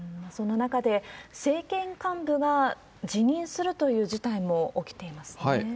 そんな中で、政権幹部が辞任するという事態も起きていますよね。